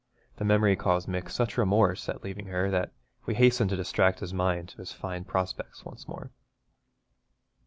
The memory caused Mick such remorse at leaving her that we hastened to distract his mind to his fine prospects once more.